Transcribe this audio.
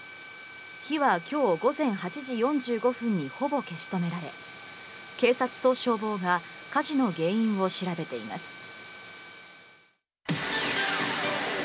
火はきょう午前８時４５分にほぼ消し止められ、警察と消防が火事の原因を調べています。